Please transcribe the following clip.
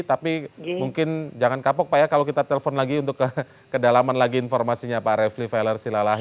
tapi mungkin jangan kapok pak ya kalau kita telpon lagi untuk kedalaman lagi informasinya pak refli failer silalahi